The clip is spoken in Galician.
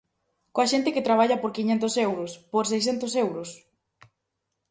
¿Coa xente que traballa por quiñentos euros, por seiscentos euros?